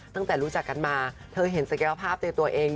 ตั้งแต่รู้จักกันมาเธอเห็นศักยภาพในตัวเอง